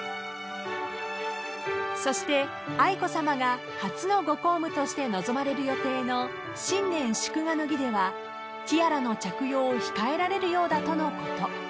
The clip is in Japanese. ［そして愛子さまが初のご公務として臨まれる予定の新年祝賀の儀ではティアラの着用を控えられるようだとのこと］